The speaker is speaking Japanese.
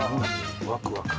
ワクワク。